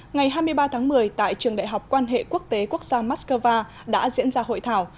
ngày hai mươi ba tháng một mươi tại trường đại học quan hệ quốc tế quốc gia moscow đã diễn ra hội thảo